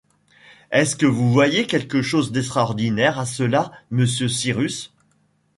Est-ce que vous voyez quelque chose d’extraordinaire à cela, monsieur Cyrus?